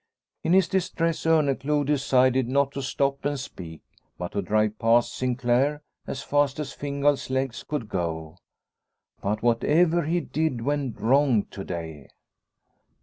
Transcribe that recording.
In his distress Orneclou decided not to stop and speak, but to drive past Sinclaire as fast as Fingal's legs could go. But whatever he did went wrong to day.